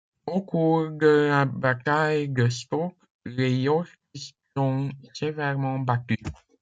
Au cours de la bataille de Stoke, les Yorkistes sont sévèrement battus.